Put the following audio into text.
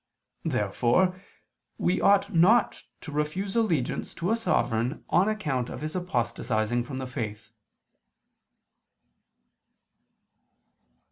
Therefore we ought not to refuse allegiance to a sovereign on account of his apostatizing from the faith.